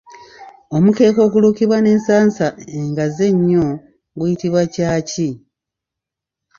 Omukeeka ogulukibwa n'ensansa engazi ennyo guyitibwa Ccaaci.